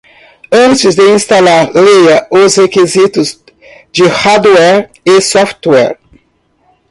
Antes de instalar, leia os requisitos de hardware e software.